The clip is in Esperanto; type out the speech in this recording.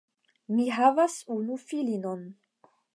Mi havas unu filinon.